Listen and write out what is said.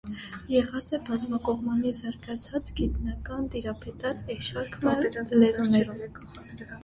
Եղած է բազմակողմանի զարգացած գիտնական, տիրապետած էշարք մը լեզուներու։